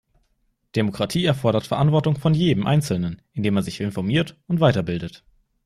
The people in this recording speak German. Demokratie erfordert Verantwortung von jedem einzelnen, indem er sich informiert und weiterbildet.